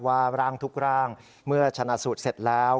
ว่าร่างทุกร่างเมื่อชนะสูตรเสร็จแล้ว